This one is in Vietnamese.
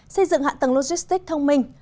xây dựng hạ tầng logistics thông minh